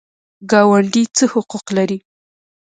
ګاونډي څه حقوق لري؟